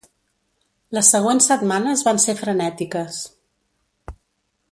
Les següents setmanes van ser frenètiques.